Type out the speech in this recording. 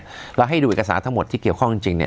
เราให้ดูเอกสารทั้งหมดที่เกี่ยวข้องจริงเนี่ย